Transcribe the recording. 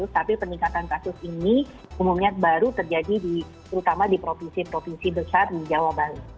tapi peningkatan kasus ini umumnya baru terjadi terutama di provinsi provinsi besar di jawa bali